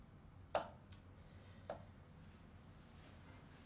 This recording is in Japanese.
あっ。